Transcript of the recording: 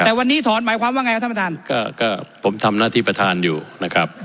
แต่วันนี้ถอนหมายความว่าไงครับท่านประธานก็ก็ผมทำหน้าที่ประธานอยู่นะครับ